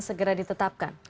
tersangka akan kita tetapkan